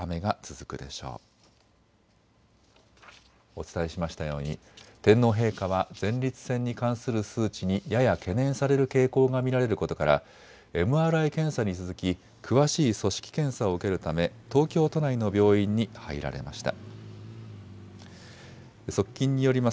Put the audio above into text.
お伝えしましたように天皇陛下は前立腺に関する数値にやや懸念される傾向が見られることからＭＲＩ検査に続き詳しい組織検査を受けるため東京都内の病院に入られました。